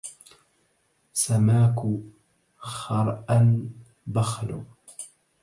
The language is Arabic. سماك خرءا بخل